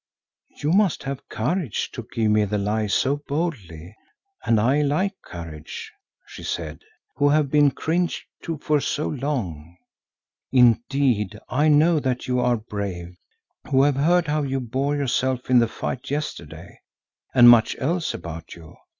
"You must have courage to give me the lie so boldly—and I like courage," she said, "who have been cringed to for so long. Indeed, I know that you are brave, who have heard how you bore yourself in the fight yesterday, and much else about you.